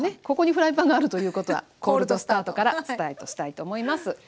ここにフライパンがあるということはコールドスタートからスタートしたいと思います。